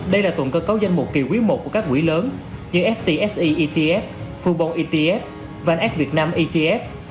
đây là tuần cơ cấu danh mục kỳ quý một của các quỹ lớn như ftse etf fubon etf vnx việt nam etf